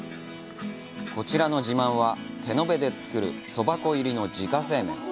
こちらの自慢は手延べで作るそば粉入りの自家製麺。